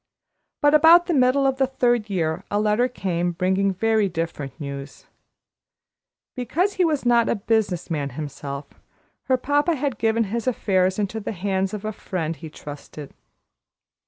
But about the middle of the third year a letter came bringing very different news. Because he was not a business man himself, her papa had given his affairs into the hands of a friend he trusted.